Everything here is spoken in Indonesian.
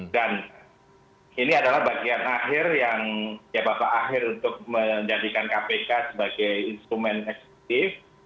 ini adalah bagian akhir yang ya bapak akhir untuk menjadikan kpk sebagai instrumen eksekutif